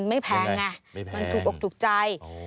ไม่แพงไงมันถูกอกถูกใจ